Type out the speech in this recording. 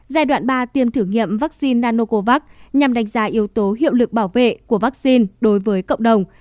giai đoạn ba tiêm thử nghiệm vắc xin nanocovax nhằm đánh giá yếu tố hiệu lực bảo vệ của vắc xin đối với cộng đồng